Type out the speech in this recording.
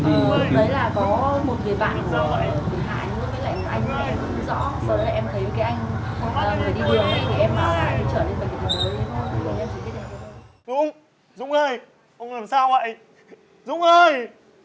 không nói nào còn em